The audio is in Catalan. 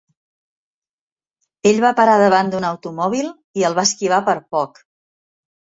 Ell va parar davant d'un automòbil i el va esquivar per poc.